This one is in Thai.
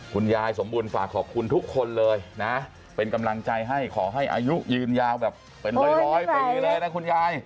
คุณยายสมบูรณ์ฝากขอบคุณทุกคนเลยนะเป็นกำลังใจให้ขอให้อายุยืนยาวแบบเป็นร้อยปีเลยนะคุณยาย